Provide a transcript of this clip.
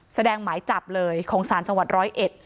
แสดงหมายจับเลยของศาลจังหวัด๑๐๑